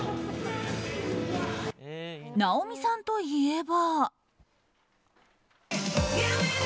直美さんといえば。